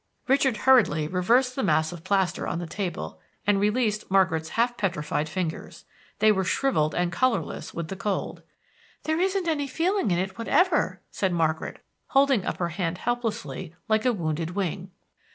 Richard hurriedly reversed the mass of plaster on the table, and released Margaret's half petrified fingers. They were shriveled and colorless with the cold. "There isn't any feeling in it whatever," said Margaret, holding up her hand helplessly, like a wounded wing.